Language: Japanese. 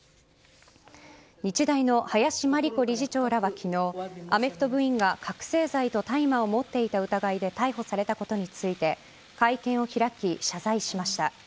日大の林真理子理事長らは昨日アメフト部員が覚醒剤と大麻を持っていた疑いで逮捕されたことについて会見を開き、謝罪しました。